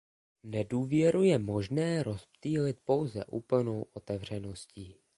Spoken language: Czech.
Nedůvěru je možné rozptýlit pouze úplnou otevřeností.